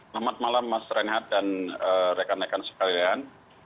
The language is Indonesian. selamat malam mas renhat dan rekan rekan sekalian